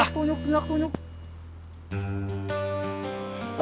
tunjuk tunjuk tunjuk tunjuk